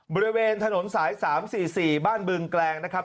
บริเวณถนนสาย๓๔๔บ้านบึงแกลงนะครับ